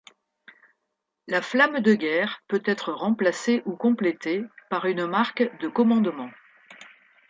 La flamme de guerre peut être remplacée ou complétée par une marque de commandement.